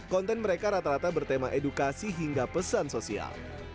konten mereka rata rata bertema edukasi hingga pesan sosial